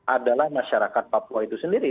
adalah masyarakat papua itu sendiri